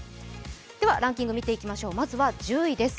では、ランキング見ていきましょうまずは１０位です。